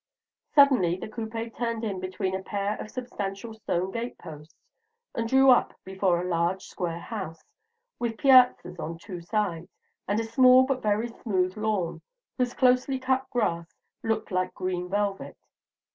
Suddenly the coupé turned in between a pair of substantial stone gate posts, and drew up before a large square house, with piazzas on two sides, and a small but very smooth lawn, whose closely cut grass looked like green velvet.